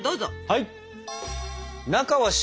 はい！